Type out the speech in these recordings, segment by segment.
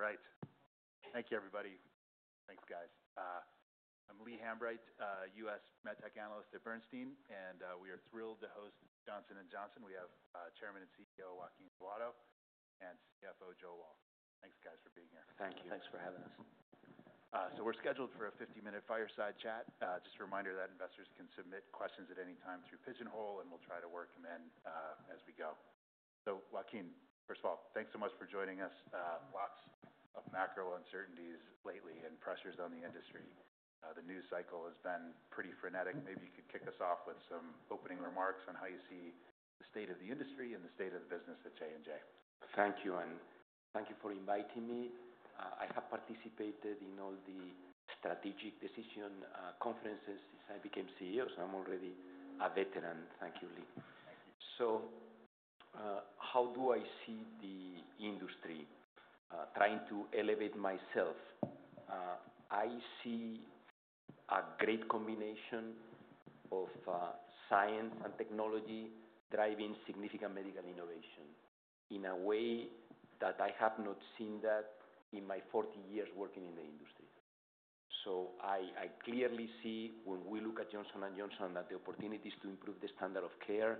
All right. Thank you, everybody. Thanks, guys. I'm Lee Hambright, US MedTech analyst at Bernstein, and we are thrilled to host Johnson & Johnson. We have Chairman and CEO Joaquin Duato and CFO Joe Wolk. Thanks, guys, for being here. Thank you. Thanks for having us. We're scheduled for a 50-minute fireside chat. Just a reminder that investors can submit questions at any time through Pigeonhole, and we'll try to work them in as we go. Joaquin, first of all, thanks so much for joining us. Lots of macro uncertainties lately and pressures on the industry. The news cycle has been pretty frenetic. Maybe you could kick us off with some opening remarks on how you see the state of the industry and the state of the business at J&J. Thank you, and thank you for inviting me. I have participated in all the strategic decision conferences since I became CEO, so I'm already a veteran. Thank you, Lee. Thank you. How do I see the industry, trying to elevate myself? I see a great combination of science and technology driving significant medical innovation in a way that I have not seen in my 40 years working in the industry. I clearly see when we look at Johnson & Johnson that the opportunities to improve the standard of care,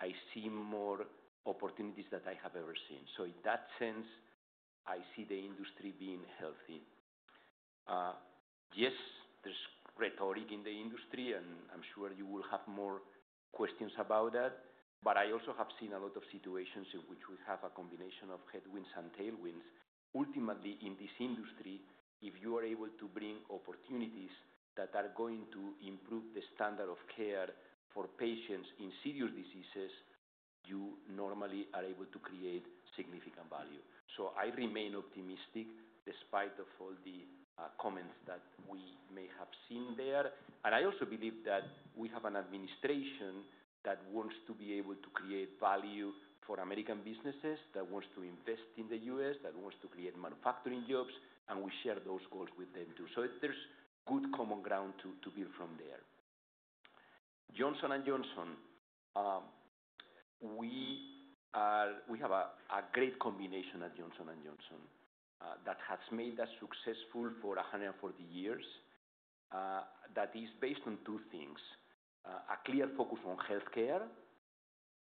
I see more opportunities than I have ever seen. In that sense, I see the industry being healthy. Yes, there is rhetoric in the industry, and I am sure you will have more questions about that, but I also have seen a lot of situations in which we have a combination of headwinds and tailwinds. Ultimately, in this industry, if you are able to bring opportunities that are going to improve the standard of care for patients in serious diseases, you normally are able to create significant value. I remain optimistic despite all the comments that we may have seen there. I also believe that we have an administration that wants to be able to create value for American businesses, that wants to invest in the U.S., that wants to create manufacturing jobs, and we share those goals with them too. There is good common ground to build from there. Johnson & Johnson, we have a great combination at Johnson & Johnson that has made us successful for 140 years, that is based on two things: a clear focus on healthcare.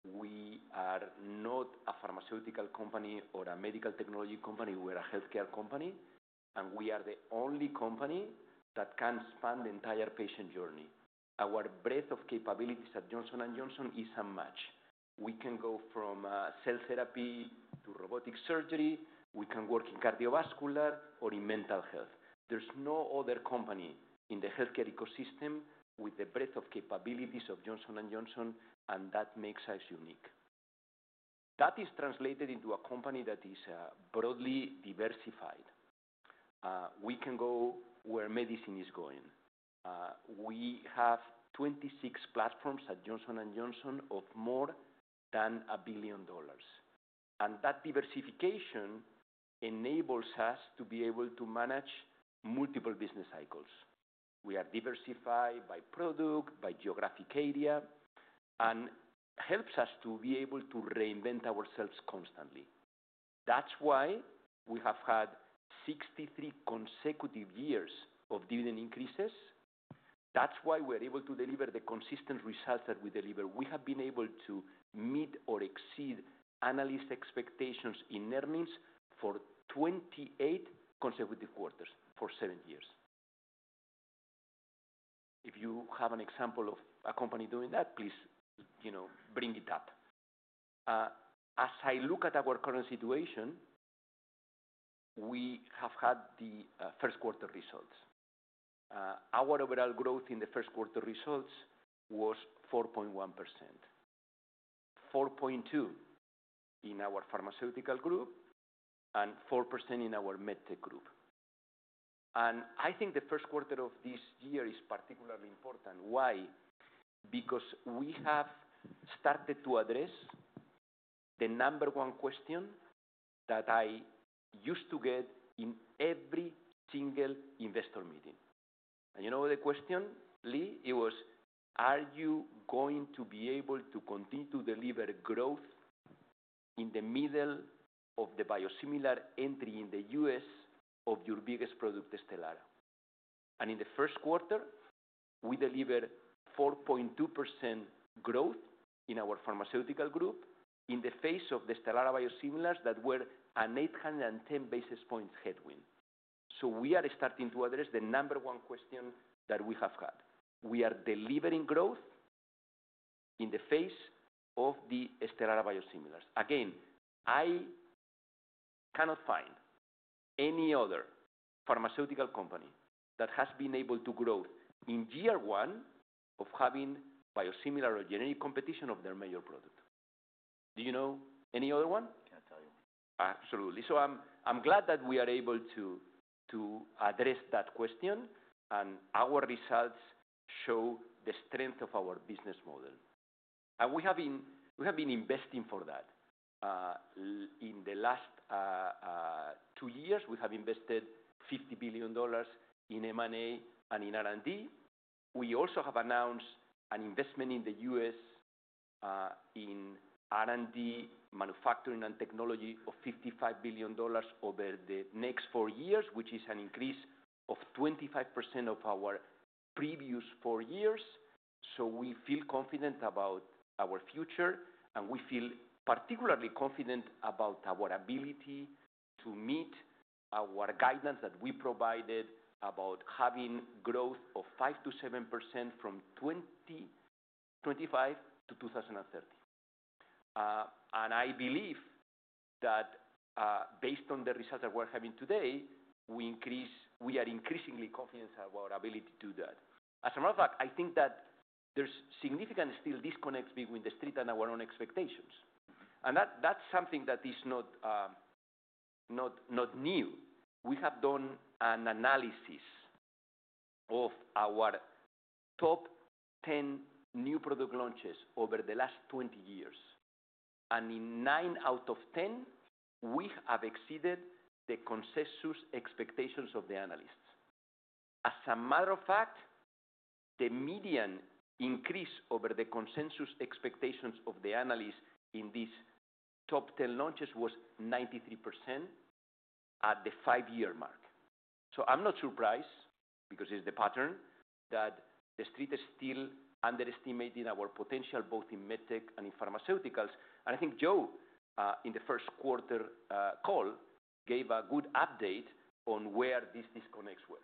We are not a pharmaceutical company or a medical technology company. We are a healthcare company, and we are the only company that can span the entire patient journey. Our breadth of capabilities at Johnson & Johnson is unmatched. We can go from cell therapy to robotic surgery. We can work in cardiovascular or in mental health. There's no other company in the healthcare ecosystem with the breadth of capabilities of Johnson & Johnson, and that makes us unique. That is translated into a company that is broadly diversified. We can go where medicine is going. We have 26 platforms at Johnson & Johnson of more than $1 billion, and that diversification enables us to be able to manage multiple business cycles. We are diversified by product, by geographic area, and it helps us to be able to reinvent ourselves constantly. That's why we have had 63 consecutive years of dividend increases. That's why we're able to deliver the consistent results that we deliver. We have been able to meet or exceed analysts' expectations in earnings for 28 consecutive quarters for seven years. If you have an example of a company doing that, please, you know, bring it up. As I look at our current situation, we have had the first quarter results. Our overall growth in the first quarter results was 4.1%, 4.2% in our pharmaceutical group, and 4% in our medtech group. I think the first quarter of this year is particularly important. Why? Because we have started to address the number one question that I used to get in every single investor meeting. You know the question, Lee? It was, "Are you going to be able to continue to deliver growth in the middle of the biosimilar entry in the U.S. of your biggest product, Stelara?" In the first quarter, we delivered 4.2% growth in our pharmaceutical group in the face of the Stelara biosimilars that were an 810 basis points headwind. We are starting to address the number one question that we have had. We are delivering growth in the face of the Stelara biosimilars. Again, I cannot find any other pharmaceutical company that has been able to grow in year one of having biosimilar or generic competition of their major product. Do you know any other one? Can I tell you? Absolutely. I'm glad that we are able to address that question, and our results show the strength of our business model. We have been investing for that. In the last two years, we have invested $50 billion in M&A and in R&D. We also have announced an investment in the U.S., in R&D, manufacturing, and technology of $55 billion over the next four years, which is an increase of 25% over our previous four years. We feel confident about our future, and we feel particularly confident about our ability to meet our guidance that we provided about having growth of 5-7% from 2025 to 2030. I believe that, based on the results that we're having today, we are increasingly confident in our ability to do that. As a matter of fact, I think that there's significant still disconnects between the street and our own expectations. Mm-hmm. That is something that is not new. We have done an analysis of our top 10 new product launches over the last 20 years, and in 9 out of 10, we have exceeded the consensus expectations of the analysts. As a matter of fact, the median increase over the consensus expectations of the analysts in these top 10 launches was 93% at the five-year mark. I am not surprised, because it is the pattern, that the street is still underestimating our potential both in medtech and in pharmaceuticals. I think Joe, in the first quarter call, gave a good update on where these disconnects were.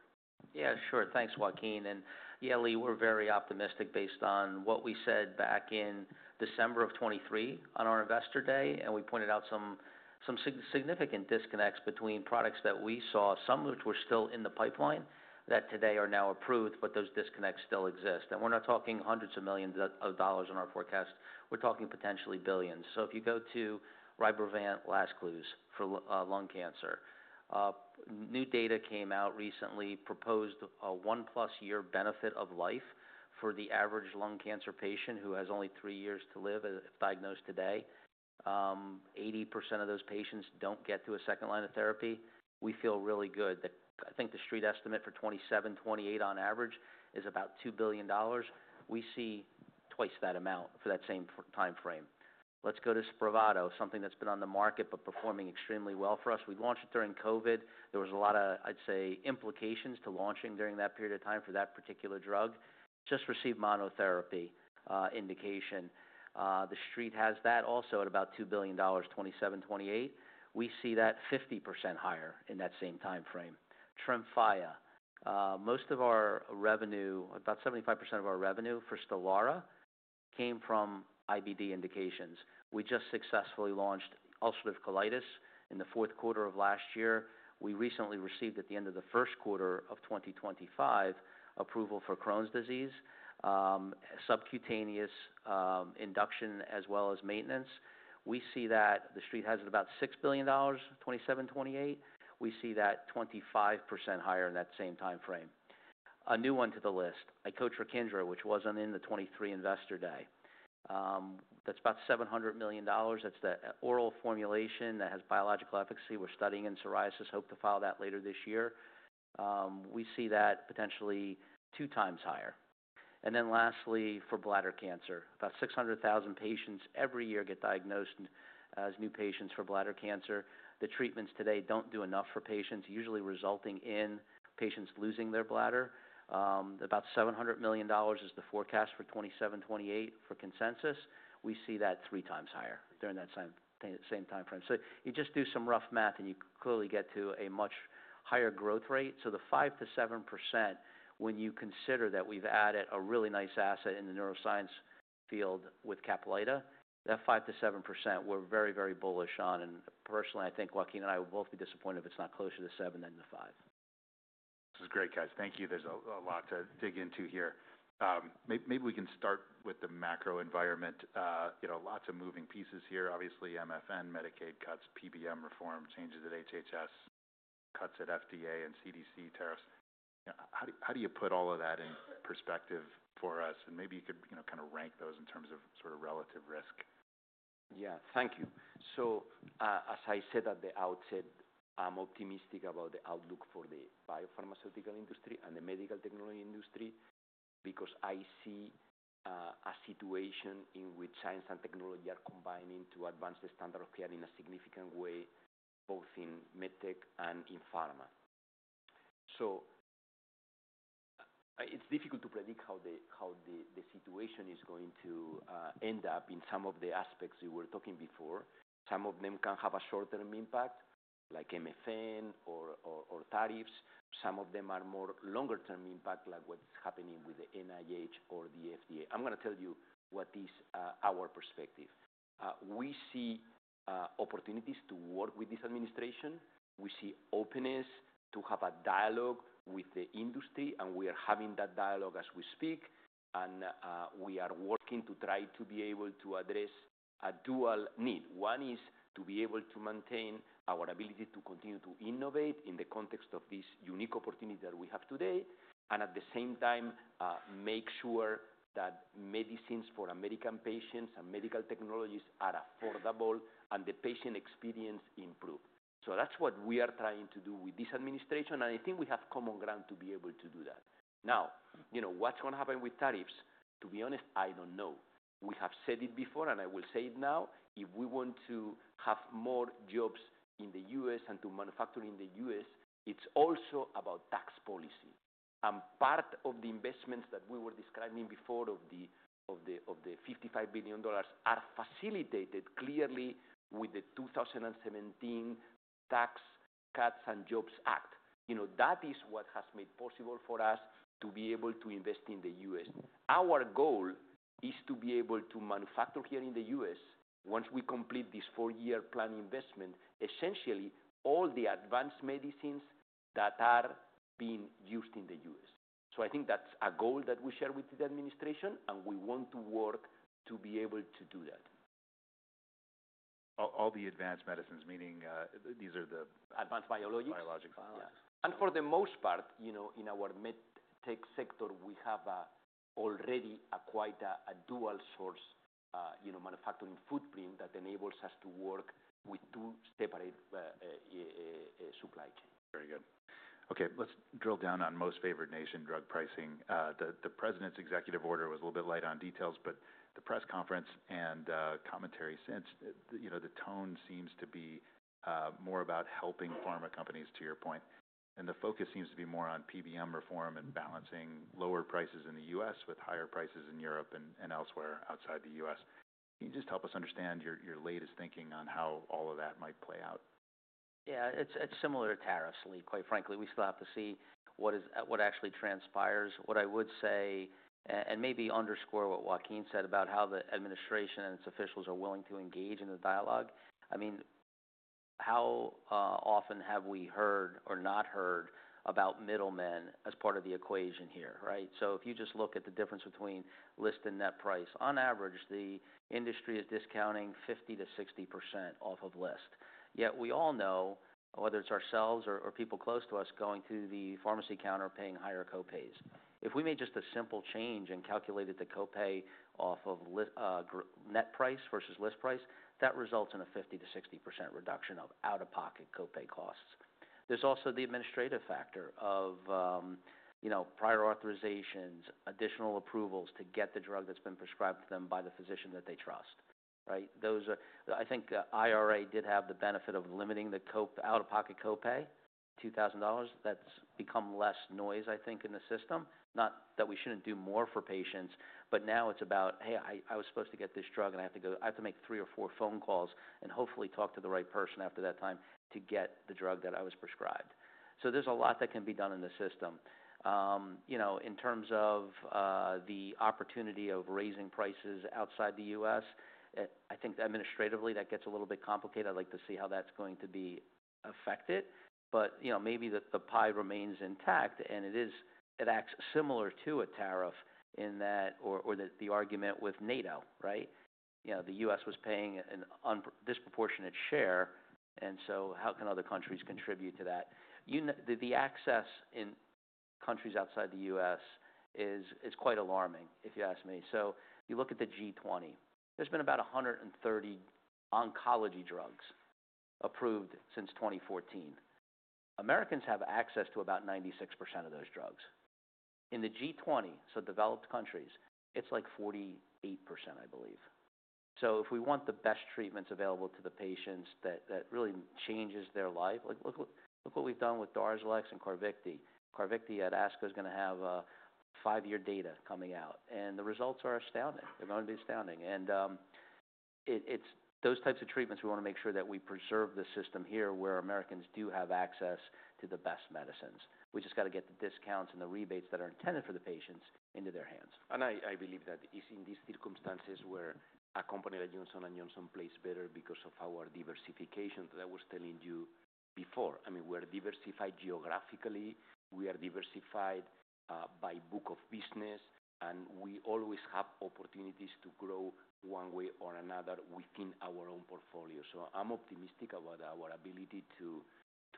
Yeah, sure. Thanks, Joaquin. Yeah, Lee, we're very optimistic based on what we said back in December of 2023 on our investor day, and we pointed out some significant disconnects between products that we saw, some of which were still in the pipeline, that today are now approved, but those disconnects still exist. We're not talking hundreds of millions of dollars in our forecast. We're talking potentially billions. If you go to Rybrevant LAZCLUZE for lung cancer, new data came out recently, proposed a one-plus-year benefit of life for the average lung cancer patient who has only three years to live if diagnosed today. 80% of those patients don't get to a second line of therapy. We feel really good. I think the street estimate for 2027, 2028 on average is about $2 billion. We see twice that amount for that same timeframe. Let's go to Spravato, something that's been on the market but performing extremely well for us. We launched it during COVID. There was a lot of, I'd say, implications to launching during that period of time for that particular drug. Just received monotherapy indication. The street has that also at about $2 billion 2027, 2028. We see that 50% higher in that same timeframe. Tremfya. Most of our revenue, about 75% of our revenue for Stelara, came from IBD indications. We just successfully launched ulcerative colitis in the fourth quarter of last year. We recently received, at the end of the first quarter of 2025, approval for Crohn's disease, subcutaneous, induction as well as maintenance. We see that the street has about $6 billion 2027, 2028. We see that 25% higher in that same timeframe. A new one to the list, Icotrokinra, which wasn't in the 2023 investor day. That's about $700 million. That's the oral formulation that has biological efficacy. We're studying in psoriasis. Hope to file that later this year. We see that potentially two times higher. Lastly, for bladder cancer, about 600,000 patients every year get diagnosed as new patients for bladder cancer. The treatments today do not do enough for patients, usually resulting in patients losing their bladder. About $700 million is the forecast for 2027-2028 for Consensys. We see that three times higher during that same timeframe. You just do some rough math, and you clearly get to a much higher growth rate. The 5-7%, when you consider that we've added a really nice asset in the neuroscience field with Caplyta, that 5-7%, we're very, very bullish on. Personally, I think Joaquin and I will both be disappointed if it's not closer to seven than to five. This is great, guys. Thank you. There's a lot to dig into here. Maybe we can start with the macro environment. You know, lots of moving pieces here. Obviously, MFN, Medicaid cuts, PBM reform, changes at HHS, cuts at FDA and CDC tariffs. You know, how do you put all of that in perspective for us? And maybe you could, you know, kind of rank those in terms of sort of relative risk. Yeah, thank you. As I said at the outset, I'm optimistic about the outlook for the biopharmaceutical industry and the medical technology industry because I see a situation in which science and technology are combining to advance the standard of care in a significant way, both in medtech and in pharma. It's difficult to predict how the situation is going to end up in some of the aspects you were talking before. Some of them can have a short-term impact, like MFN or tariffs. Some of them are more longer-term impact, like what's happening with the NIH or the FDA. I'm gonna tell you what is our perspective. We see opportunities to work with this administration. We see openness to have a dialogue with the industry, and we are having that dialogue as we speak. We are working to try to be able to address a dual need. One is to be able to maintain our ability to continue to innovate in the context of this unique opportunity that we have today, and at the same time, make sure that medicines for American patients and medical technologies are affordable and the patient experience improved. That is what we are trying to do with this administration, and I think we have common ground to be able to do that. Now, you know, what is going to happen with tariffs? To be honest, I do not know. We have said it before, and I will say it now. If we want to have more jobs in the U.S. and to manufacture in the U.S., it is also about tax policy. Part of the investments that we were describing before of the $55 billion are facilitated clearly with the 2017 Tax Cuts and Jobs Act. You know, that is what has made possible for us to be able to invest in the U.S,. Our goal is to be able to manufacture here in the U.S., once we complete this four-year plan investment, essentially all the advanced medicines that are being used in the U.S., I think that's a goal that we share with the administration, and we want to work to be able to do that. All the advanced medicines, meaning, these are the. Advanced biologics. Biologics. Yeah. For the most part, you know, in our medtech sector, we have already a quite a, a dual source, you know, manufacturing footprint that enables us to work with two separate supply chains. Very good. Okay. Let's drill down on most favored nation drug pricing. The president's executive order was a little bit light on details, but the press conference and, you know, commentary since, you know, the tone seems to be more about helping pharma companies, to your point. The focus seems to be more on PBM reform and balancing lower prices in the U.S. with higher prices in Europe and, you know, elsewhere outside the U.S., Can you just help us understand your, your latest thinking on how all of that might play out? Yeah, it's similar to tariffs, Lee, quite frankly. We still have to see what is what actually transpires. What I would say, and maybe underscore what Joaquin said about how the administration and its officials are willing to engage in the dialogue. I mean, how often have we heard or not heard about middlemen as part of the equation here, right? If you just look at the difference between list and net price, on average, the industry is discounting 50-60% off of list. Yet we all know, whether it's ourselves or people close to us going to the pharmacy counter paying higher copays. If we made just a simple change and calculated the copay off of net price versus list price, that results in a 50-60% reduction of out-of-pocket copay costs. There's also the administrative factor of, you know, prior authorizations, additional approvals to get the drug that's been prescribed to them by the physician that they trust, right? Those are, I think, IRA did have the benefit of limiting the out-of-pocket copay, $2,000. That's become less noise, I think, in the system. Not that we shouldn't do more for patients, but now it's about, "Hey, I was supposed to get this drug, and I have to go, I have to make three or four phone calls and hopefully talk to the right person after that time to get the drug that I was prescribed." There's a lot that can be done in the system. You know, in terms of the opportunity of raising prices outside the U.S., I think administratively that gets a little bit complicated. I'd like to see how that's going to be affected. You know, maybe the pie remains intact, and it acts similar to a tariff in that, or the argument with NATO, right? You know, the U.S. was paying a disproportionate share, and so how can other countries contribute to that? You know, the access in countries outside the U.S. is quite alarming, if you ask me. You look at the G20, there's been about 130 oncology drugs approved since 2014. Americans have access to about 96% of those drugs. In the G20, so developed countries, it's like 48%, I believe. If we want the best treatments available to the patients that really changes their life, look, look what we've done with Darzalex and Carvykti. Carvykti at ASCO is gonna have five-year data coming out, and the results are astounding. They're gonna be astounding. It's those types of treatments we wanna make sure that we preserve the system here where Americans do have access to the best medicines. We just gotta get the discounts and the rebates that are intended for the patients into their hands. I believe that is in these circumstances where a company like Johnson & Johnson plays better because of our diversification that I was telling you before. I mean, we are diversified geographically. We are diversified, by book of business, and we always have opportunities to grow one way or another within our own portfolio. I'm optimistic about our ability to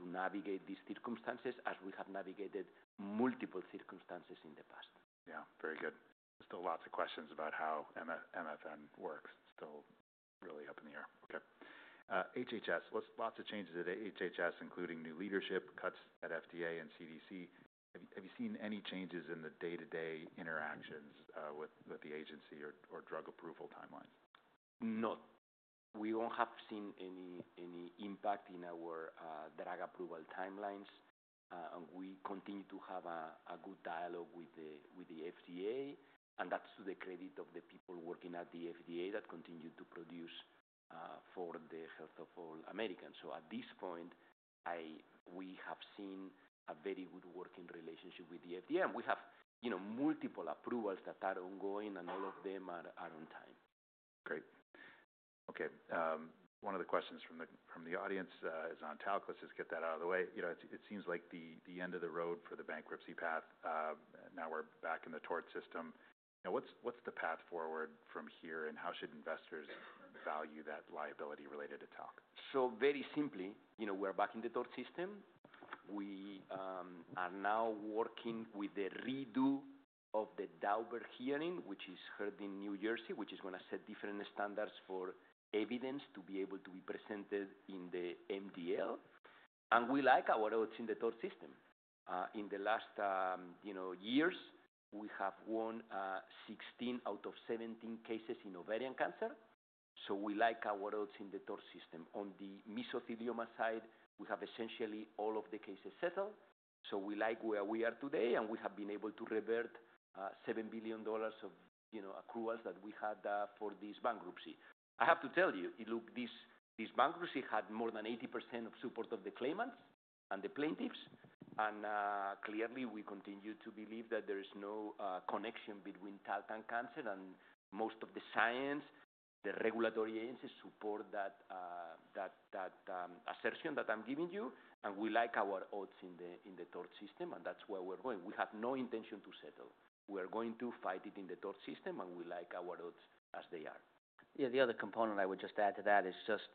navigate these circumstances as we have navigated multiple circumstances in the past. Yeah, very good. Still lots of questions about how MFN works. Still really up in the air. Okay. HHS. Lots of changes at HHS, including new leadership, cuts at FDA and CDC. Have you seen any changes in the day-to-day interactions, with the agency or drug approval timelines? No. We won't have seen any impact in our drug approval timelines. We continue to have a good dialogue with the FDA, and that's to the credit of the people working at the FDA that continue to produce for the health of all Americans. At this point, we have seen a very good working relationship with the FDA, and we have, you know, multiple approvals that are ongoing, and all of them are on time. Great. Okay. One of the questions from the audience is on talc, just to get that out of the way. You know, it seems like the end of the road for the bankruptcy path. Now we're back in the tort system. You know, what's the path forward from here, and how should investors value that liability related to talc? Very simply, you know, we are back in the tort system. We are now working with the redo of the Daubert hearing, which is heard in New Jersey, which is gonna set different standards for evidence to be able to be presented in the MDL. We like our odds in the tort system. In the last, you know, years, we have won 16 out of 17 cases in ovarian cancer. We like our odds in the tort system. On the mesothelioma side, we have essentially all of the cases settled. We like where we are today, and we have been able to revert $7 billion of, you know, accruals that we had for this bankruptcy. I have to tell you, this bankruptcy had more than 80% of support of the claimants and the plaintiffs. Clearly, we continue to believe that there is no connection between talc and cancer, and most of the science, the regulatory agencies support that, that assertion that I'm giving you. We like our odds in the tort system, and that's where we're going. We have no intention to settle. We are going to fight it in the tort system, and we like our odds as they are. Yeah, the other component I would just add to that is just,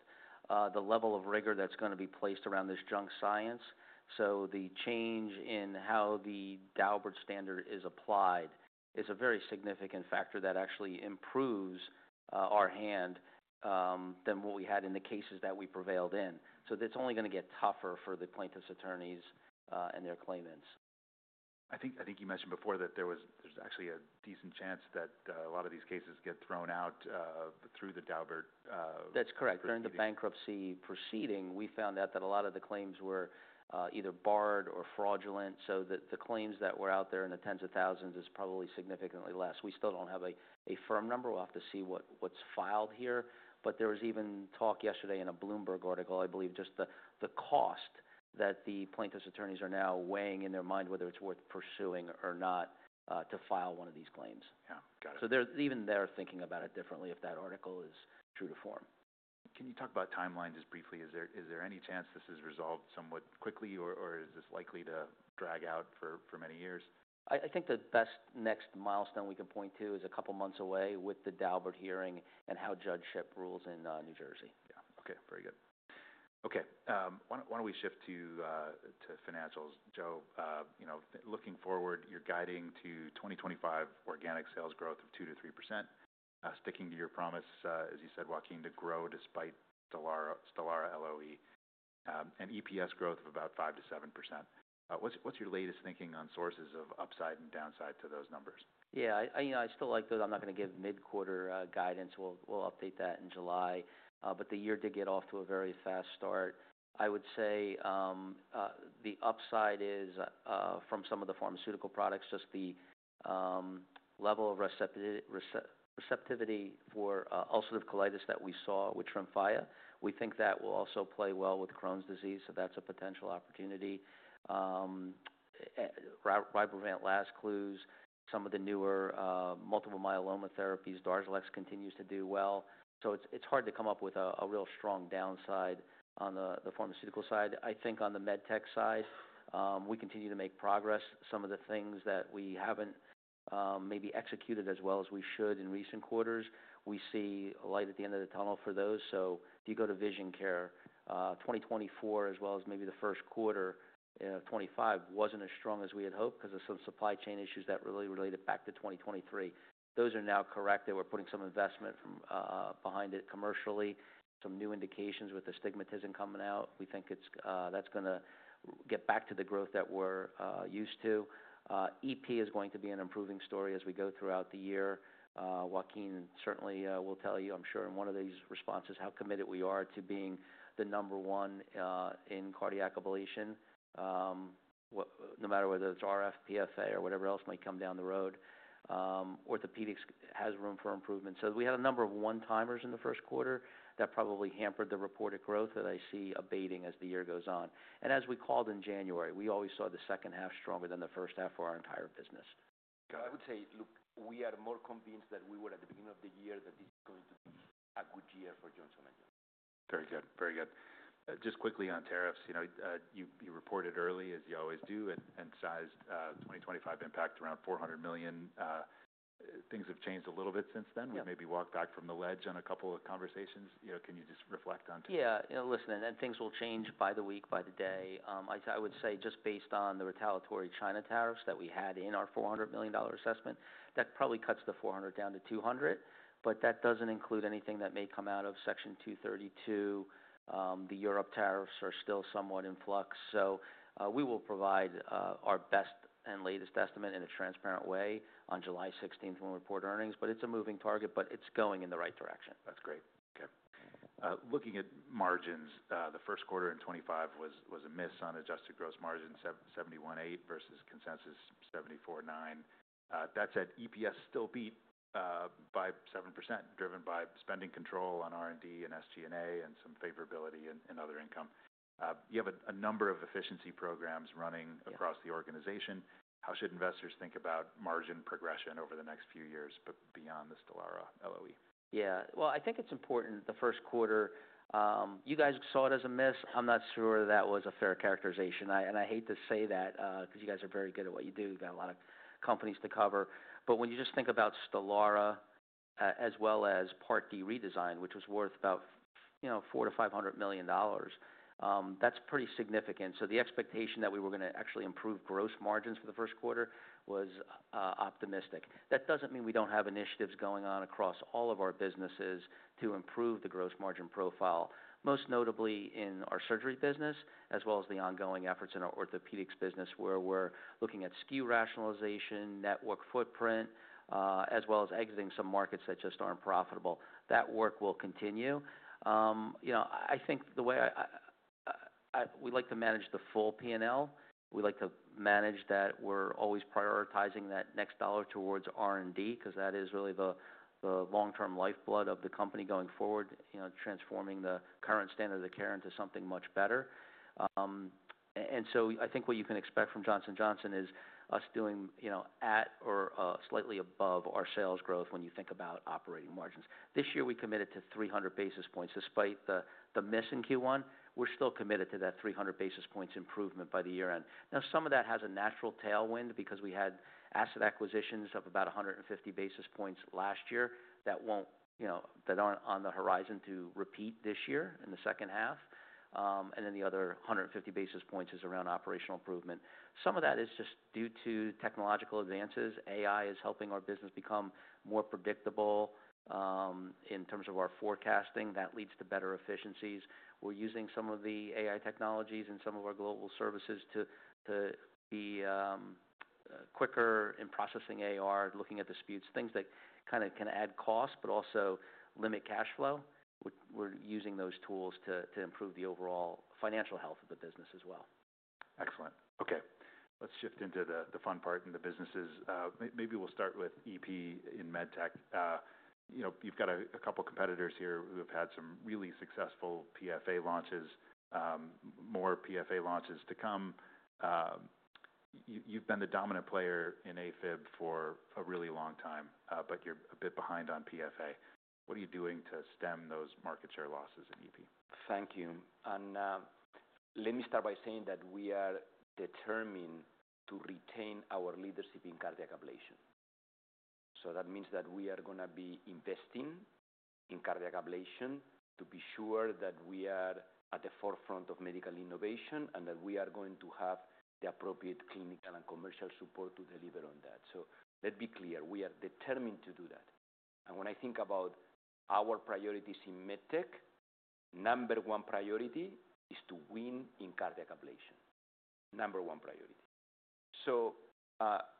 the level of rigor that's gonna be placed around this junk science. The change in how the Daubert standard is applied is a very significant factor that actually improves our hand, than what we had in the cases that we prevailed in. That's only gonna get tougher for the plaintiff's attorneys, and their claimants. I think you mentioned before that there was actually a decent chance that a lot of these cases get thrown out through the Daubert tort. That's correct. During the bankruptcy proceeding, we found out that a lot of the claims were either barred or fraudulent. The claims that were out there in the tens of thousands is probably significantly less. We still do not have a firm number. We will have to see what is filed here. There was even talk yesterday in a Bloomberg article, I believe, just the cost that the plaintiff's attorneys are now weighing in their mind, whether it is worth pursuing or not, to file one of these claims. Yeah, got it. They're even thinking about it differently if that article is true to form. Can you talk about timelines as briefly? Is there any chance this is resolved somewhat quickly, or is this likely to drag out for many years? I think the best next milestone we can point to is a couple months away with the Daubert hearing and how judgeship rules in New Jersey. Yeah. Okay. Very good. Okay. Why don't we shift to financials, Joe? You know, looking forward, you're guiding to 2025 organic sales growth of 2-3%, sticking to your promise, as you said, Joaquin, to grow despite Stelara LOE, and EPS growth of about 5-7%. What's your latest thinking on sources of upside and downside to those numbers? Yeah, I, I, you know, I still like those. I'm not gonna give mid-quarter guidance. We'll, we'll update that in July. The year did get off to a very fast start. I would say the upside is from some of the pharmaceutical products, just the level of receptivity for ulcerative colitis that we saw with Tremfya. We think that will also play well with Crohn's disease, so that's a potential opportunity. And Rybrevant LAZCLUZE, some of the newer multiple myeloma therapies, Darzalex continues to do well. It's hard to come up with a real strong downside on the pharmaceutical side. I think on the medtech side, we continue to make progress. Some of the things that we haven't maybe executed as well as we should in recent quarters, we see a light at the end of the tunnel for those. If you go to VisionCare, 2024, as well as maybe the first quarter, 2025, it wasn't as strong as we had hoped 'cause of some supply chain issues that really related back to 2023. Those are now correct. They were putting some investment from behind it commercially. Some new indications with the stigmatism coming out. We think it's, that's gonna get back to the growth that we're used to. EP is going to be an improving story as we go throughout the year. Joaquin certainly will tell you, I'm sure, in one of these responses how committed we are to being the number one in cardiac ablation, no matter whether it's RF, PFA, or whatever else might come down the road. Orthopedics has room for improvement. We had a number of one-timers in the first quarter that probably hampered the reported growth that I see abating as the year goes on. As we called in January, we always saw the second half stronger than the first half for our entire business. I would say, look, we are more convinced than we were at the beginning of the year that this is going to be a good year for Johnson & Johnson. Very good. Very good. Just quickly on tariffs, you know, you reported early, as you always do, and sized 2025 impact around $400 million. Things have changed a little bit since then. We've maybe walked back from the ledge on a couple of conversations. You know, can you just reflect on two? Yeah. You know, listen, and things will change by the week, by the day. I would say just based on the retaliatory China tariffs that we had in our $400 million assessment, that probably cuts the $400 million down to $200 million. That does not include anything that may come out of Section 232. The Europe tariffs are still somewhat in flux. We will provide our best and latest estimate in a transparent way on July 16 when we report earnings. It is a moving target, but it is going in the right direction. That's great. Okay. Looking at margins, the first quarter in 2025 was a miss on adjusted gross margin, 71.8% versus consensus 74.9%. That said, EPS still beat by 7%, driven by spending control on R&D and SG&A and some favorability in other income. You have a number of efficiency programs running across the organization. How should investors think about margin progression over the next few years beyond the Stelara LOE? Yeah. I think it's important the first quarter, you guys saw it as a miss. I'm not sure that was a fair characterization. I, and I hate to say that, 'cause you guys are very good at what you do. You've got a lot of companies to cover. When you just think about Stelara, as well as Part D redesign, which was worth about, you know, $400 million-$500 million, that's pretty significant. The expectation that we were gonna actually improve gross margins for the first quarter was optimistic. That doesn't mean we don't have initiatives going on across all of our businesses to improve the gross margin profile, most notably in our surgery business, as well as the ongoing efforts in our orthopedics business, where we're looking at SKU rationalization, network footprint, as well as exiting some markets that just aren't profitable. That work will continue. You know, I think the way, we like to manage the full P&L. We like to manage that we're always prioritizing that next dollar towards R&D 'cause that is really the long-term lifeblood of the company going forward, you know, transforming the current standard of care into something much better. And so I think what you can expect from Johnson & Johnson is us doing, you know, at or slightly above our sales growth when you think about operating margins. This year, we committed to 300 basis points. Despite the miss in Q1, we're still committed to that 300 basis points improvement by the year end. Now, some of that has a natural tailwind because we had asset acquisitions of about 150 basis points last year that won't, you know, that aren't on the horizon to repeat this year in the second half. The other 150 basis points is around operational improvement. Some of that is just due to technological advances. AI is helping our business become more predictable, in terms of our forecasting. That leads to better efficiencies. We're using some of the AI technologies in some of our global services to be quicker in processing AR, looking at disputes, things that kinda can add cost but also limit cash flow. We're using those tools to improve the overall financial health of the business as well. Excellent. Okay. Let's shift into the fun part in the businesses. Maybe we'll start with EP in medtech. You know, you've got a couple competitors here who have had some really successful PFA launches, more PFA launches to come. You've been the dominant player in AFib for a really long time, but you're a bit behind on PFA. What are you doing to stem those market share losses in EP? Thank you. Let me start by saying that we are determined to retain our leadership in cardiac ablation. That means that we are gonna be investing in cardiac ablation to be sure that we are at the forefront of medical innovation and that we are going to have the appropriate clinical and commercial support to deliver on that. Let me be clear. We are determined to do that. When I think about our priorities in medtech, number one priority is to win in cardiac ablation. Number one priority.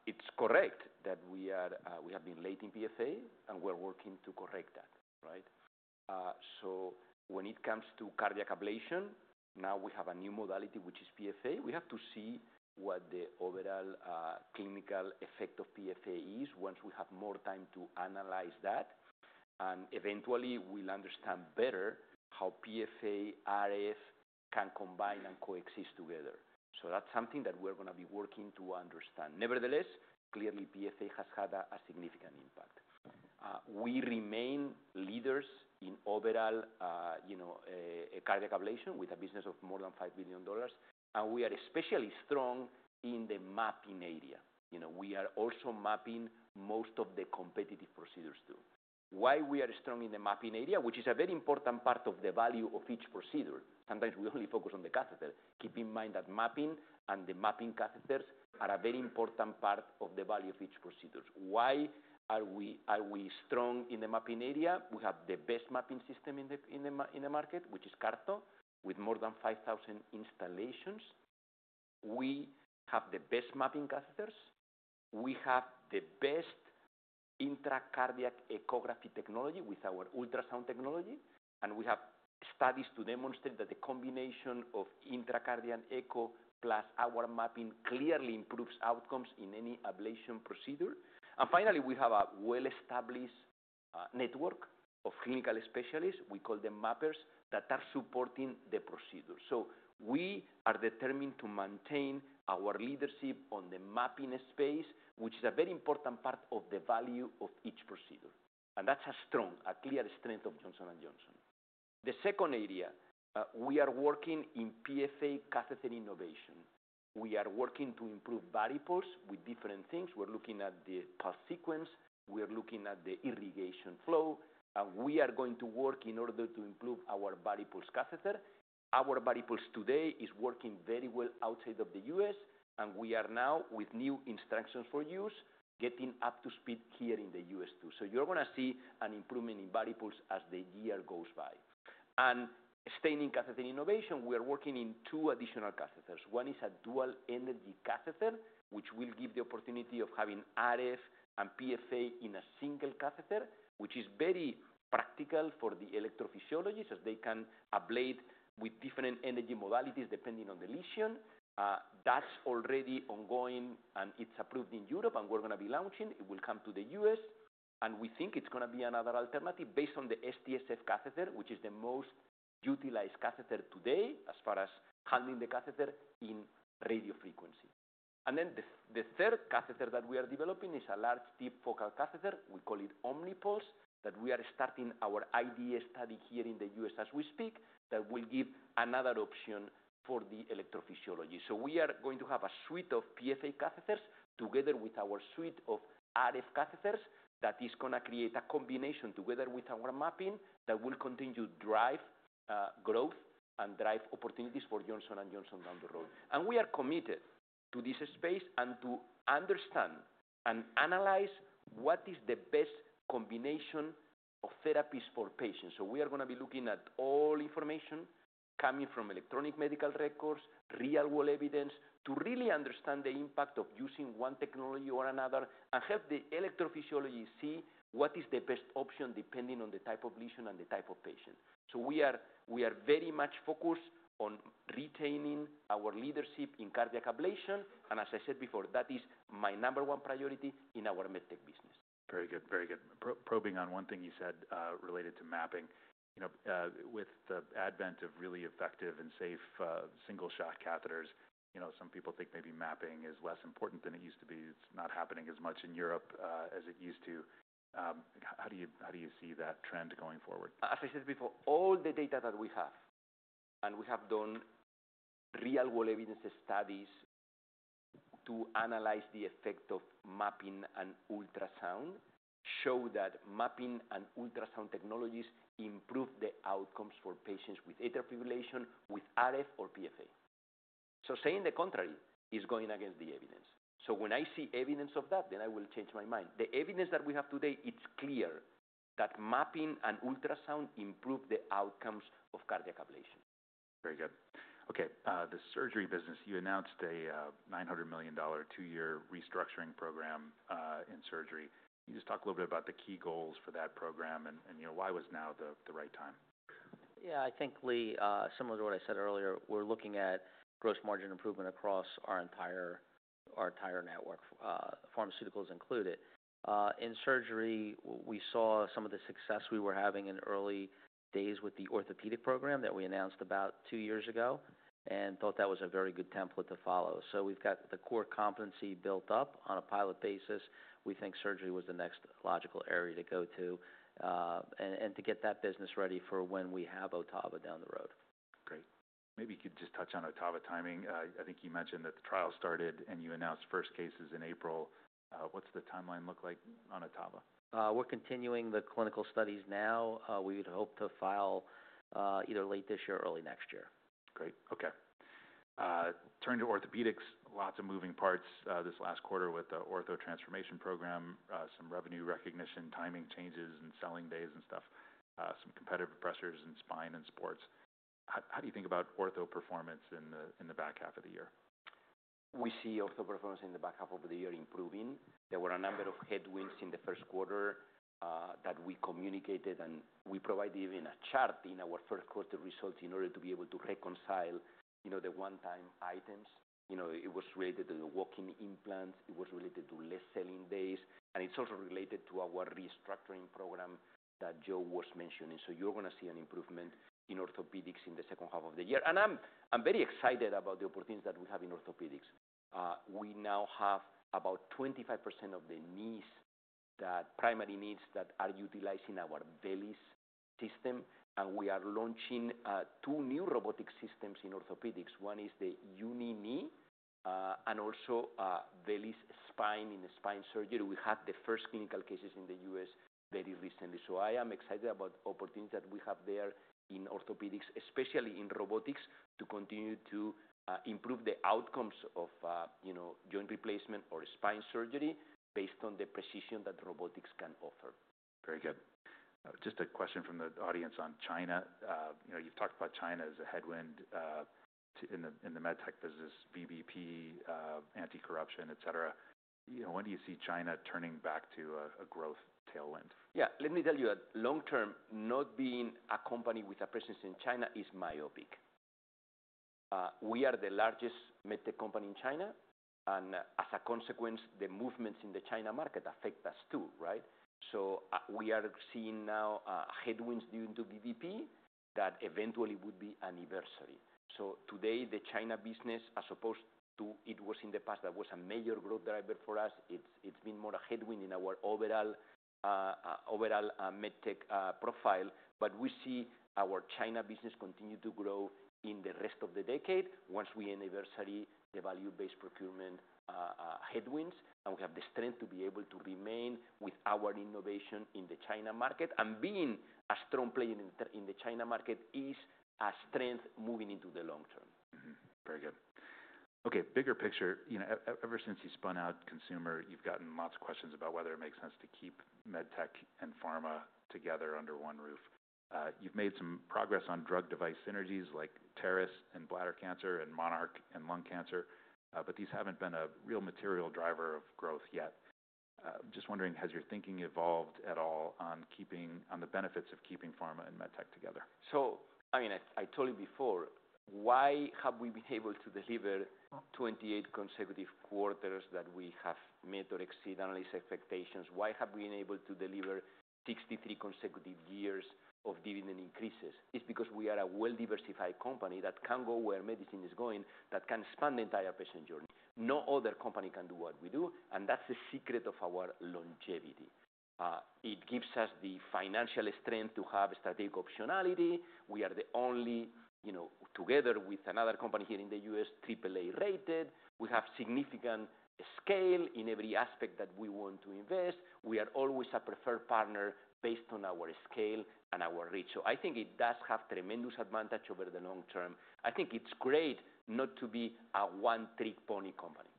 It's correct that we have been late in PFA, and we're working to correct that, right? When it comes to cardiac ablation, now we have a new modality, which is PFA. We have to see what the overall clinical effect of PFA is once we have more time to analyze that. Eventually, we'll understand better how PFA, RF can combine and coexist together. That's something that we're gonna be working to understand. Nevertheless, clearly, PFA has had a significant impact. We remain leaders in overall, you know, cardiac ablation with a business of more than $5 billion, and we are especially strong in the mapping area. You know, we are also mapping most of the competitive procedures too. Why we are strong in the mapping area, which is a very important part of the value of each procedure? Sometimes we only focus on the catheter. Keep in mind that mapping and the mapping catheters are a very important part of the value of each procedure. Why are we strong in the mapping area? We have the best mapping system in the market, which is CARTO, with more than 5,000 installations. We have the best mapping catheters. We have the best intracardiac echocardiography technology with our ultrasound technology. We have studies to demonstrate that the combination of intracardiac echo plus our mapping clearly improves outcomes in any ablation procedure. We have a well-established network of clinical specialists. We call them mappers that are supporting the procedure. We are determined to maintain our leadership in the mapping space, which is a very important part of the value of each procedure. That is a strong, clear strength of Johnson & Johnson. The second area, we are working in PFA catheter innovation. We are working to improve body pulse with different things. We are looking at the pulse sequence. We are looking at the irrigation flow. We are going to work in order to improve our body pulse catheter. Our Varipulse today is working very well outside of the U.S., and we are now, with new instructions for use, getting up to speed here in the U.S. too. You're gonna see an improvement in Varipulse as the year goes by. Staying in catheter innovation, we are working in two additional catheters. One is a dual energy catheter, which will give the opportunity of having RF and PFA in a single catheter, which is very practical for the electrophysiologists as they can ablate with different energy modalities depending on the lesion. That's already ongoing, and it's approved in Europe, and we're gonna be launching. It will come to the U.S., and we think it's gonna be another alternative based on the STSF catheter, which is the most utilized catheter today as far as handling the catheter in radio frequency. The third catheter that we are developing is a large deep focal catheter. We call it OmniPulse, that we are starting our IDE study here in the U.S. as we speak, that will give another option for the electrophysiology. We are going to have a suite of PFA catheters together with our suite of RF catheters that is gonna create a combination together with our mapping that will continue to drive growth and drive opportunities for Johnson & Johnson down the road. We are committed to this space and to understand and analyze what is the best combination of therapies for patients. We are gonna be looking at all information coming from electronic medical records, real-world evidence, to really understand the impact of using one technology or another and help the electrophysiology see what is the best option depending on the type of lesion and the type of patient. We are very much focused on retaining our leadership in cardiac ablation. As I said before, that is my number one priority in our medtech business. Very good. Very good. Probing on one thing you said, related to mapping. You know, with the advent of really effective and safe, single-shot catheters, you know, some people think maybe mapping is less important than it used to be. It's not happening as much in Europe, as it used to. How do you see that trend going forward? As I said before, all the data that we have, and we have done real-world evidence studies to analyze the effect of mapping and ultrasound, show that mapping and ultrasound technologies improve the outcomes for patients with atrial fibrillation with RF or PFA. Saying the contrary is going against the evidence. When I see evidence of that, then I will change my mind. The evidence that we have today, it's clear that mapping and ultrasound improve the outcomes of cardiac ablation. Very good. Okay. The surgery business, you announced a $900 million two-year restructuring program in surgery. Can you just talk a little bit about the key goals for that program and, you know, why was now the right time? Yeah. I think, Lee, similar to what I said earlier, we're looking at gross margin improvement across our entire network, pharmaceuticals included. In surgery, we saw some of the success we were having in early days with the orthopedic program that we announced about two years ago and thought that was a very good template to follow. We have the core competency built up on a pilot basis. We think surgery was the next logical area to go to, and to get that business ready for when we have Otava down the road. Great. Maybe you could just touch on Otava timing. I think you mentioned that the trial started, and you announced first cases in April. What's the timeline look like on Otava? We're continuing the clinical studies now. We would hope to file, either late this year or early next year. Great. Okay. Turn to orthopedics. Lots of moving parts this last quarter with the ortho transformation program, some revenue recognition, timing changes, and selling days and stuff, some competitive pressures in spine and sports. How do you think about ortho performance in the back half of the year? We see ortho performance in the back half of the year improving. There were a number of headwinds in the first quarter, that we communicated, and we provided even a chart in our first quarter results in order to be able to reconcile, you know, the one-time items. You know, it was related to the walk-in implants. It was related to less-selling days. And it is also related to our restructuring program that Joe was mentioning. You are going to see an improvement in orthopedics in the second half of the year. I am very excited about the opportunities that we have in orthopedics. We now have about 25% of the knees, the primary knees, that are utilizing our VELYS system. We are launching two new robotic systems in orthopedics. One is the Uni-Knee, and also VELYS Spine in the spine surgery. We had the first clinical cases in the U.S. very recently. I am excited about opportunities that we have there in orthopedics, especially in robotics, to continue to improve the outcomes of, you know, joint replacement or spine surgery based on the precision that robotics can offer. Very good. Just a question from the audience on China. You know, you've talked about China as a headwind in the medtech business, VBP, anti-corruption, etc. You know, when do you see China turning back to a growth tailwind? Yeah. Let me tell you, long-term, not being a company with a presence in China is myopic. We are the largest medtech company in China, and as a consequence, the movements in the China market affect us too, right? We are seeing now, headwinds due to VBP that eventually would be anniversary. Today, the China business, as opposed to it was in the past, that was a major growth driver for us, it's been more a headwind in our overall, overall, medtech profile. We see our China business continue to grow in the rest of the decade. Once we anniversary the value-based procurement headwinds, we have the strength to be able to remain with our innovation in the China market. Being a strong player in the China market is a strength moving into the long term. Mm-hmm. Very good. Okay. Bigger picture, you know, ever since you spun out Consumer, you've gotten lots of questions about whether it makes sense to keep medtech and pharma together under one roof. You've made some progress on drug device synergies like Taris in bladder cancer and Monarch in lung cancer, but these haven't been a real material driver of growth yet. I'm just wondering, has your thinking evolved at all on keeping on the benefits of keeping pharma and medtech together? I mean, I told you before, why have we been able to deliver 28 consecutive quarters that we have met or exceeded analyst expectations? Why have we been able to deliver 63 consecutive years of dividend increases? It's because we are a well-diversified company that can go where medicine is going, that can span the entire patient journey. No other company can do what we do, and that's the secret of our longevity. It gives us the financial strength to have strategic optionality. We are the only, you know, together with another company here in the U.S., AAA rated. We have significant scale in every aspect that we want to invest. We are always a preferred partner based on our scale and our reach. I think it does have tremendous advantage over the long term. I think it's great not to be a one-trick pony company.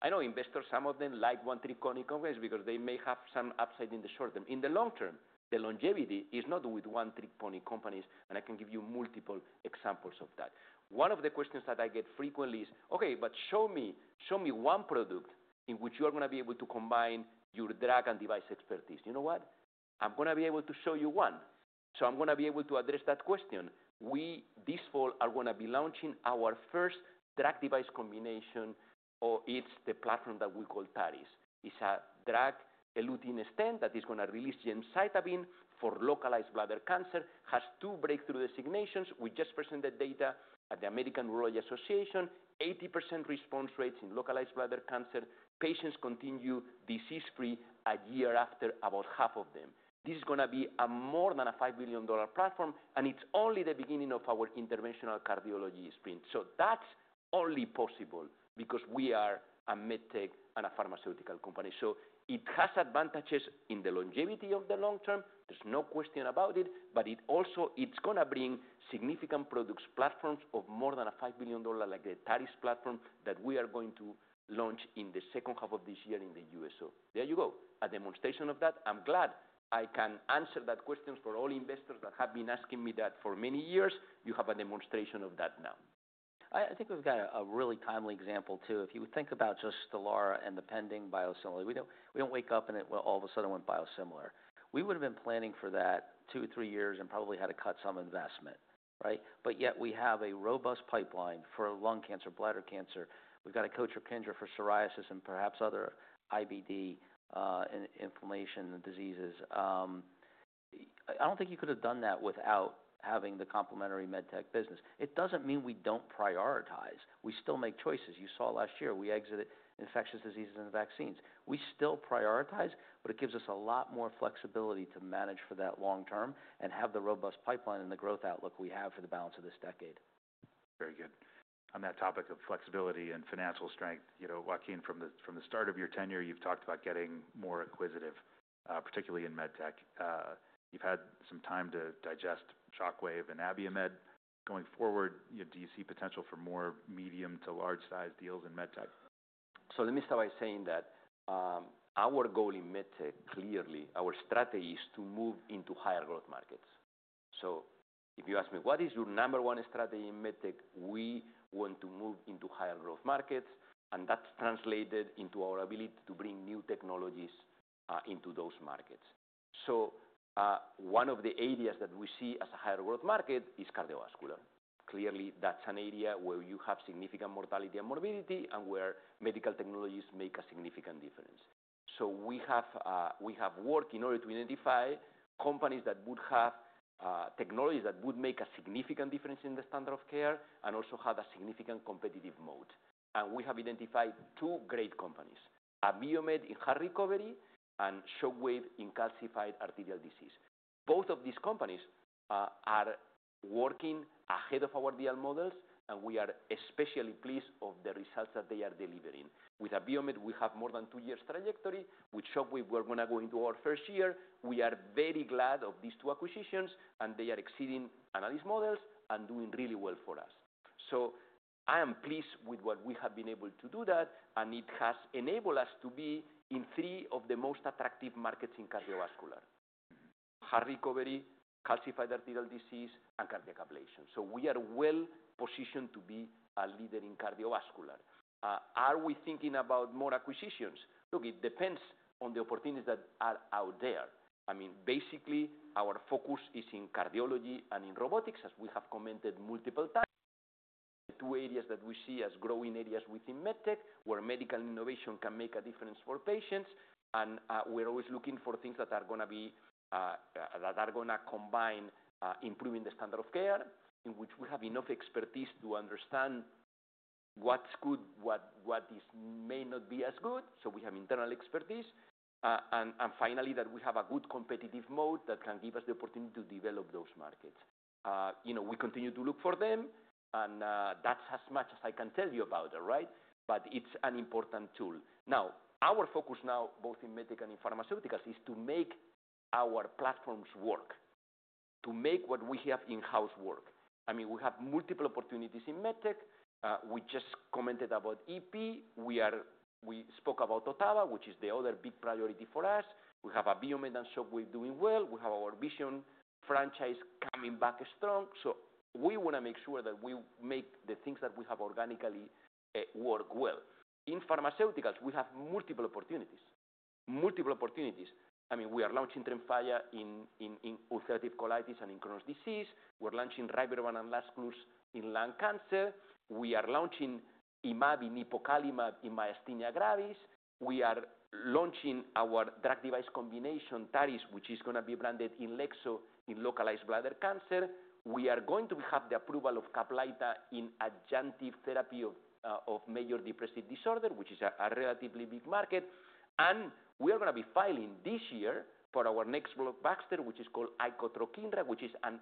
I know investors, some of them like one-trick pony companies because they may have some upside in the short term. In the long term, the longevity is not with one-trick pony companies, and I can give you multiple examples of that. One of the questions that I get frequently is, "Okay, but show me show me one product in which you are gonna be able to combine your drug and device expertise." You know what? I'm gonna be able to show you one. I'm gonna be able to address that question. We this fall are gonna be launching our first drug device combination, or it's the platform that we call Taris. It's a drug, a lutein extend that is gonna release gemcitabine for localized bladder cancer. Has two breakthrough designations. We just presented data at the American Rural Association. 80% response rates in localized bladder cancer. Patients continue disease-free a year after about half of them. This is gonna be a more than a $5 billion platform, and it's only the beginning of our interventional cardiology sprint. That is only possible because we are a medtech and a pharmaceutical company. It has advantages in the longevity of the long term. There is no question about it. It also is gonna bring significant products, platforms of more than a $5 billion, like the Taris platform, that we are going to launch in the second half of this year in the U.S., There you go. A demonstration of that. I'm glad I can answer that question for all investors that have been asking me that for many years. You have a demonstration of that now. I think we've got a really timely example too. If you would think about just Stelara and the pending biosimilar, we don't wake up and it all of a sudden went biosimilar. We would have been planning for that two or three years and probably had to cut some investment, right? Yet we have a robust pipeline for lung cancer, bladder cancer. We've got a coach or conjure for psoriasis and perhaps other IBD, and inflammation and diseases. I don't think you could have done that without having the complementary medtech business. It doesn't mean we don't prioritize. We still make choices. You saw last year we exited infectious diseases and vaccines. We still prioritize, but it gives us a lot more flexibility to manage for that long term and have the robust pipeline and the growth outlook we have for the balance of this decade. Very good. On that topic of flexibility and financial strength, you know, Joaquin, from the start of your tenure, you've talked about getting more acquisitive, particularly in medtech. You've had some time to digest Shockwave and Abiomed. Going forward, you know, do you see potential for more medium to large-sized deals in medtech? Let me start by saying that our goal in medtech clearly, our strategy is to move into higher-growth markets. If you ask me, "What is your number one strategy in medtech?" We want to move into higher-growth markets, and that's translated into our ability to bring new technologies into those markets. One of the areas that we see as a higher-growth market is cardiovascular. Clearly, that's an area where you have significant mortality and morbidity and where medical technologies make a significant difference. We have worked in order to identify companies that would have technologies that would make a significant difference in the standard of care and also have a significant competitive moat. We have identified two great companies, Abiomed in heart recovery and Shockwave in calcified arterial disease. Both of these companies are working ahead of our ideal models, and we are especially pleased with the results that they are delivering. With Abiomed, we have more than two years' trajectory. With Shockwave, we're gonna go into our first year. We are very glad of these two acquisitions, and they are exceeding analyst models and doing really well for us. I am pleased with what we have been able to do that, and it has enabled us to be in three of the most attractive markets in cardiovascular: heart recovery, calcified arterial disease, and cardiac ablation. We are well-positioned to be a leader in cardiovascular. Are we thinking about more acquisitions? Look, it depends on the opportunities that are out there. I mean, basically, our focus is in cardiology and in robotics, as we have commented multiple times. The two areas that we see as growing areas within medtech where medical innovation can make a difference for patients. We are always looking for things that are gonna be, that are gonna combine, improving the standard of care in which we have enough expertise to understand what's good, what, what is may not be as good. We have internal expertise, and finally, that we have a good competitive moat that can give us the opportunity to develop those markets. You know, we continue to look for them, and that's as much as I can tell you about it, right? It is an important tool. Now, our focus now, both in medtech and in pharmaceuticals, is to make our platforms work, to make what we have in-house work. I mean, we have multiple opportunities in medtech. We just commented about EP. We spoke about Otava, which is the other big priority for us. We have Abiomed and Shockwave doing well. We have our Vision franchise coming back strong. We want to make sure that we make the things that we have organically work well. In pharmaceuticals, we have multiple opportunities, multiple opportunities. I mean, we are launching Tremfya in ulcerative colitis and in Crohn's disease. We're launching Rybrevant and LAZCLUZE in lung cancer. We are launching Imbruvica in hypokalemia in myasthenia gravis. We are launching our drug-device combination Taris, which is going to be branded Inlexzo in localized bladder cancer. We are going to have the approval of Caplyta in adjunctive therapy of major depressive disorder, which is a relatively big market. We are gonna be filing this year for our next blockbuster, which is called Icotrokinra, which is an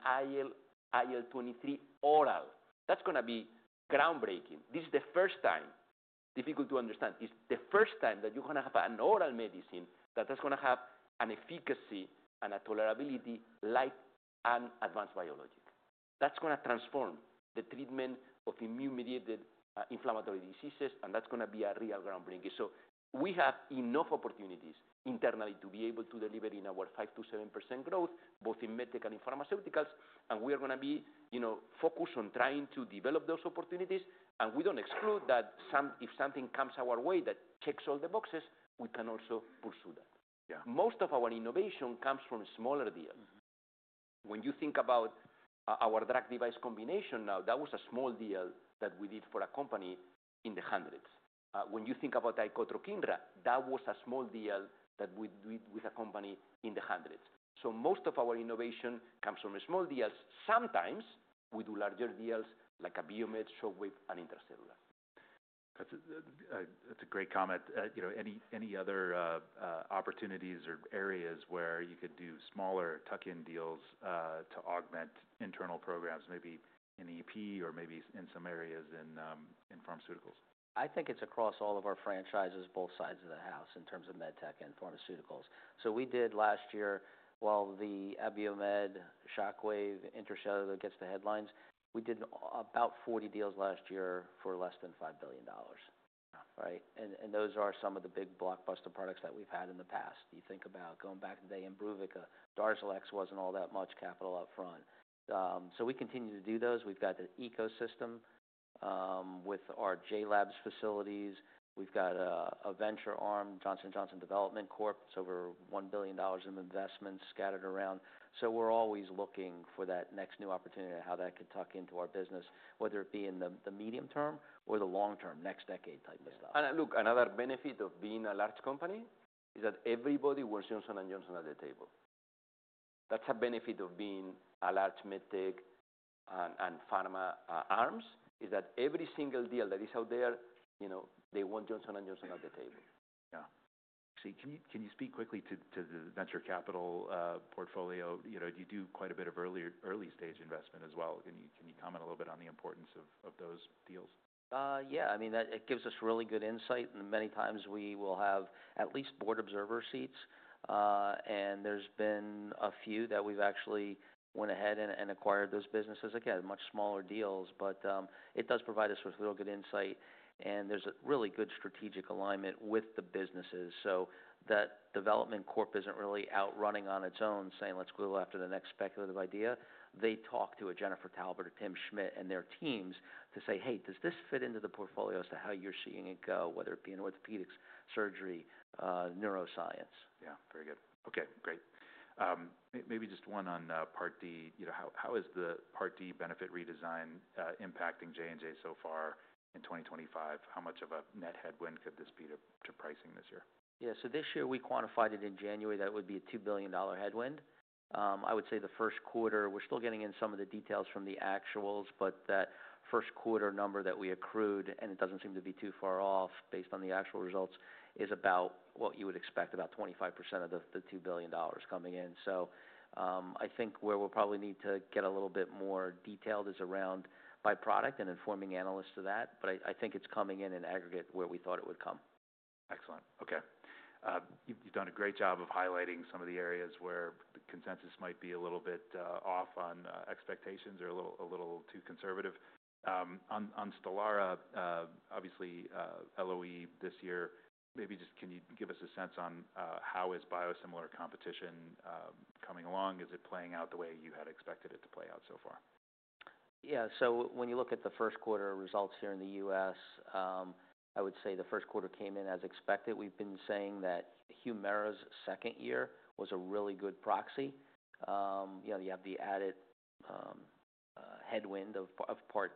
IL-23 oral. That's gonna be groundbreaking. This is the first time—difficult to understand—it's the first time that you're gonna have an oral medicine that's gonna have an efficacy and a tolerability like an advanced biologic. That's gonna transform the treatment of immune-mediated, inflammatory diseases, and that's gonna be a real groundbreaker. We have enough opportunities internally to be able to deliver in our 5-7% growth, both in medtech and in pharmaceuticals. We are gonna be, you know, focused on trying to develop those opportunities. We don't exclude that if something comes our way that checks all the boxes, we can also pursue that. Yeah. Most of our innovation comes from smaller deals. When you think about, our drug-device combination now, that was a small deal that we did for a company in the hundreds. When you think about Icotrokinra, that was a small deal that we did with a company in the hundreds. Most of our innovation comes from small deals. Sometimes we do larger deals like Abiomed, Shockwave, and Intra-Cellular. That's a great comment. You know, any other opportunities or areas where you could do smaller tuck-in deals to augment internal programs, maybe in EP or maybe in some areas in pharmaceuticals? I think it's across all of our franchises, both sides of the house in terms of medtech and pharmaceuticals. We did last year, while the Abiomed, Shockwave, Intra-Cellular gets the headlines, we did about 40 deals last year for less than $5 billion, right? Those are some of the big blockbuster products that we've had in the past. You think about going back to the Imbruvica, Darzalex wasn't all that much capital upfront. We continue to do those. We've got the ecosystem, with our JLabs facilities. We've got a venture arm, Johnson & Johnson Development Corp, it's over $1 billion of investments scattered around. We're always looking for that next new opportunity and how that could tuck into our business, whether it be in the medium term or the long term, next decade type of stuff. Look, another benefit of being a large company is that everybody wants Johnson & Johnson at the table. That's a benefit of being a large medtech and pharma arms is that every single deal that is out there, you know, they want Johnson & Johnson at the table. Yeah. Can you speak quickly to the venture capital portfolio? You know, you do quite a bit of early, early-stage investment as well. Can you comment a little bit on the importance of those deals? Yeah. I mean, that gives us really good insight. Many times we will have at least board observer seats. There's been a few that we've actually went ahead and acquired those businesses, again, much smaller deals. It does provide us with real good insight, and there's a really good strategic alignment with the businesses. That development corp isn't really outrunning on its own saying, "Let's go after the next speculative idea." They talk to a Jennifer Taubert or Tim Schmid and their teams to say, "Hey, does this fit into the portfolio as to how you're seeing it go, whether it be in orthopedics, surgery, neuroscience? Yeah. Very good. Okay. Great. Maybe just one on Part D, you know, how is the Part D benefit redesign impacting J&J so far in 2025? How much of a net headwind could this be to pricing this year? Yeah. This year we quantified it in January. That would be a $2 billion headwind. I would say the first quarter we're still getting in some of the details from the actuals, but that first quarter number that we accrued, and it doesn't seem to be too far off based on the actual results, is about what you would expect, about 25% of the $2 billion coming in. I think where we'll probably need to get a little bit more detailed is around byproduct and informing analysts of that. I think it's coming in, in aggregate where we thought it would come. Excellent. Okay. You've done a great job of highlighting some of the areas where the consensus might be a little bit off on expectations or a little, a little too conservative. On Stelara, obviously, LOE this year, maybe just can you give us a sense on how is biosimilar competition coming along? Is it playing out the way you had expected it to play out so far? Yeah. When you look at the first quarter results here in the U.S., I would say the first quarter came in as expected. We've been saying that Humira's second year was a really good proxy. You know, you have the added headwind of Part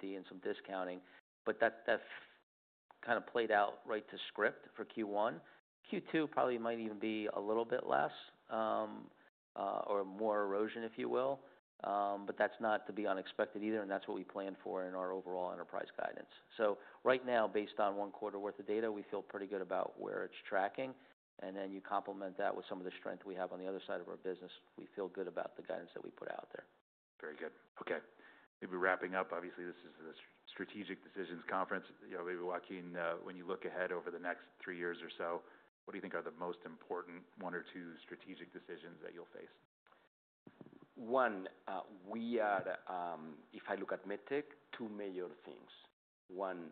D and some discounting. That kind of played out right to script for Q1. Q2 probably might even be a little bit less, or more erosion, if you will. That is not to be unexpected either, and that is what we plan for in our overall enterprise guidance. Right now, based on one quarter worth of data, we feel pretty good about where it is tracking. Then you complement that with some of the strength we have on the other side of our business. We feel good about the guidance that we put out there. Very good. Okay. Maybe wrapping up, obviously, this is the strategic decisions conference. You know, maybe, Joaquin, when you look ahead over the next three years or so, what do you think are the most important one or two strategic decisions that you'll face? One, we are, if I look at medtech, two major things. One,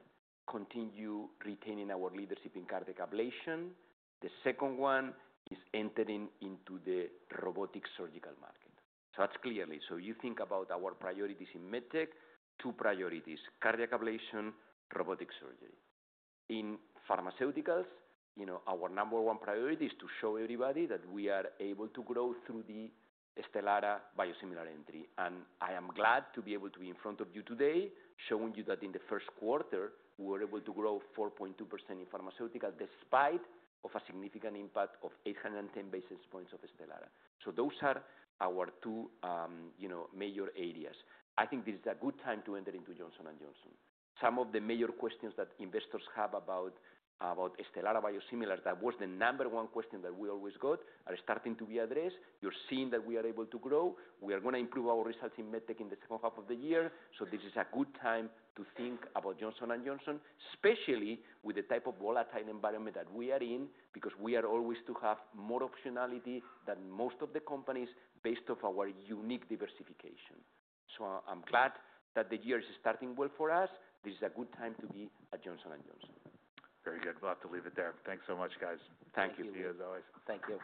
continue retaining our leadership in cardiac ablation. The second one is entering into the robotic surgical market. That is clearly. You think about our priorities in medtech, two priorities: cardiac ablation, robotic surgery. In pharmaceuticals, you know, our number one priority is to show everybody that we are able to grow through the Stelara biosimilar entry. I am glad to be able to be in front of you today, showing you that in the first quarter, we were able to grow 4.2% in pharmaceutical despite a significant impact of 810 basis points of Stelara. Those are our two, you know, major areas. I think this is a good time to enter into Johnson & Johnson. Some of the major questions that investors have about Stelara biosimilars, that was the number one question that we always got, are starting to be addressed. You're seeing that we are able to grow. We are gonna improve our results in medtech in the second half of the year. This is a good time to think about Johnson & Johnson, especially with the type of volatile environment that we are in, because we are always to have more optionality than most of the companies based off our unique diversification. I'm glad that the year is starting well for us. This is a good time to be at Johnson & Johnson. Very good. We'll have to leave it there. Thanks so much, guys. Thank you. Thank you, as always. Thank you.